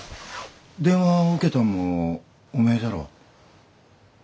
電話を受けたんもおめえじゃろお？